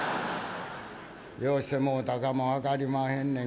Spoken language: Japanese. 「寄せてもろうたかも分かりまへんねん。